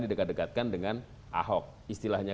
didekat dekatkan dengan ahok istilahnya